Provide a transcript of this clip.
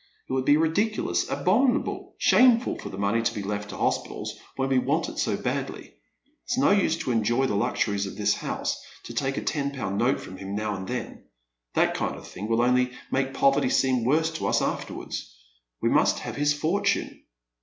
It would be ridiculous, abominable, shameful, for the money to be left to hospitals when we want it 80 badly. It's no use to enjoy the luxuries of his house, to take a ten pound note from him now and then. That land of thing will only make poverty seem worse to ua afterwards. We must have his fortune."